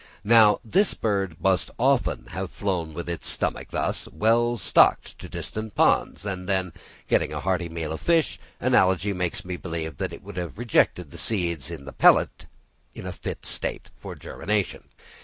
Now this bird must often have flown with its stomach thus well stocked to distant ponds, and, then getting a hearty meal of fish, analogy makes me believe that it would have rejected the seeds in the pellet in a fit state for germination.